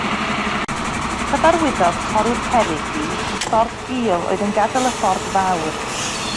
Cyfarwyddodd torrwr cerrig fi i ffordd gul oedd yn gadael y ffordd fawr.